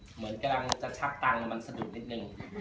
เหมือนกำลังจะชักตังค์มันสะดุดนิดนึง